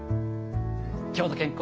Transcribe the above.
「きょうの健康」